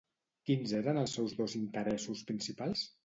Quins eren els seus dos interessos principals?